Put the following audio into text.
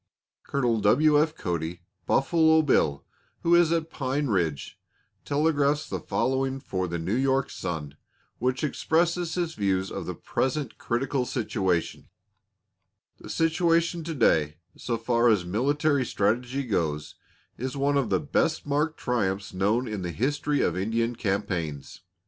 Col. W. F. Cody ("Buffalo Bill"), who is at Pine Ridge, telegraphs the following for the New York Sun, which expresses his views of the present critical situation: The situation to day, so far as military strategy goes, is one of the best marked triumphs known in the history of Indian campaigns.